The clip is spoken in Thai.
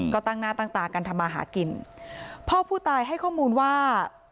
ก็ตั้งหน้าตั้งตากันทำมาหากินพ่อผู้ตายให้ข้อมูลว่า